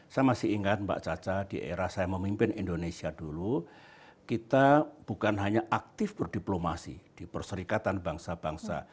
saya masih ingat mbak caca di era saya memimpin indonesia dulu kita bukan hanya aktif berdiplomasi di perserikatan bangsa bangsa